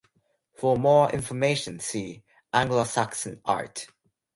For more information see Anglo-Saxon art.